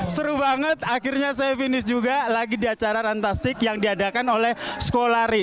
seru banget akhirnya saya finish juga lagi di acara fantastik yang diadakan oleh sko lari